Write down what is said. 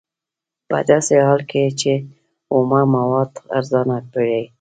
په داسې حال کې چې اومه مواد ارزانه پېري